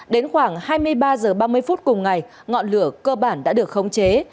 đến khoảng hai mươi ba h ba mươi phút cùng ngày ngọn lửa cơ bản đã được khống chế